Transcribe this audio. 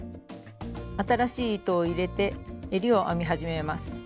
新しい糸を入れてえりを編み始めます。